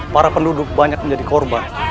para penduduk banyak menjadi korban